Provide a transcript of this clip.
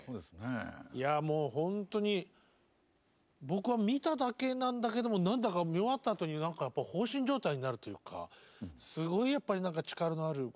もうほんとに僕は見ただけなんだけど何だか見終わったあとに放心状態になるというかすごいやっぱり何か力のあるコンサートでした。